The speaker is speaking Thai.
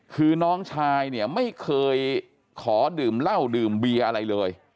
คือน้องชายเนี่ยไม่เคยขอดื่มเหล้าดื่มเบียร์อะไรเลย